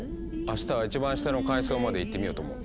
あしたは一番下の階層まで行ってみようと思う。